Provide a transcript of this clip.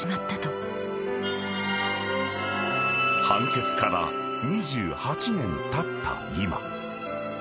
［判決から２８年たった今］